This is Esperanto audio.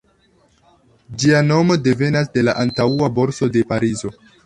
Ĝia nomo devenas de la antaŭa Borso de Parizo.